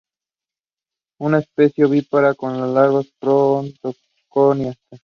Es una especie ovípara, con larvas planctónicas.